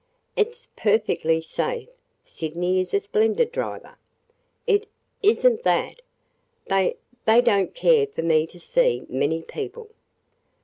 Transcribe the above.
"It 's perfectly safe. Sydney is a splendid driver." "It – is n't that. They – they don't care for me to see many people."